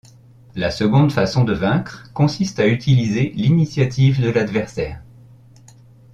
La seconde façon de vaincre consiste à utiliser l'initiative de l'adversaire.